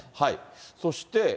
そして。